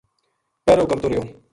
پہرو کرتو رہیو